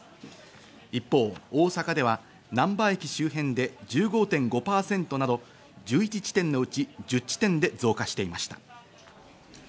一方、大阪ではなんば駅周辺で１５．５％など、１１地点のうち１０地点で増加していました。